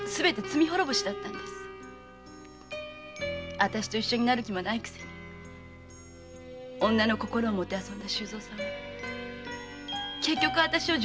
あたしと一緒になる気もないくせに女の心をもてあそんだ周蔵さんは結局あたしを女郎扱いしただけなんです！